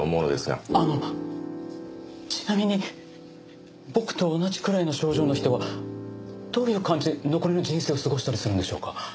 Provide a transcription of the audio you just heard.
あのちなみに僕と同じくらいの症状の人はどういう感じで残りの人生を過ごしたりするんでしょうか？